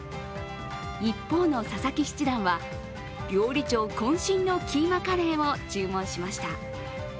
一方の佐々木七段は、料理長渾身のキーマカレーを注文しました。